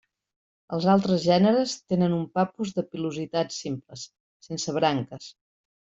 Els altres gèneres tenen un Papus de pilositats simples, sense branques.